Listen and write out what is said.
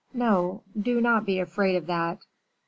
"No, do not be afraid of that."